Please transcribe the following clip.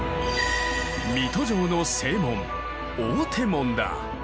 水戸城の正門大手門だ。